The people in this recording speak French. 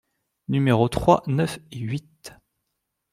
Numéros trois, neuf et huit.